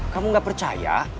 kamu enggak percaya